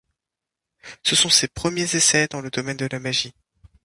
Ce sont ses premiers essais dans le domaine de la magie.